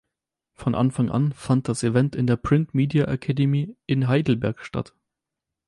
Von Anfang an fand das Event in der Print Media Academy in Heidelberg statt.